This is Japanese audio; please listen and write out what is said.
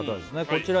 こちら